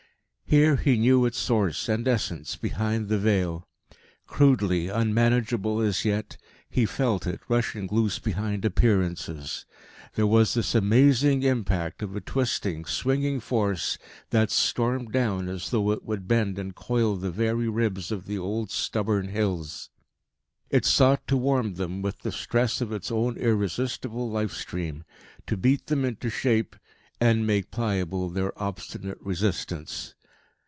Here he knew its source and essence, behind the veil. Crudely, unmanageable as yet, he felt it, rushing loose behind appearances. There was this amazing impact of a twisting, swinging force that stormed down as though it would bend and coil the very ribs of the old stubborn hills. It sought to warm them with the stress of its own irresistible life stream, to beat them into shape, and make pliable their obstinate resistance.